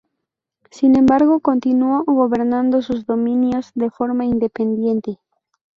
Sin embargo, continuó gobernando sus dominios de forma independiente.